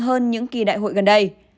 hơn những kỳ đại hội gần đây